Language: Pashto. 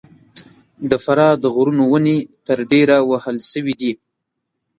د فراه د غرونو ونې تر ډېره وهل سوي دي.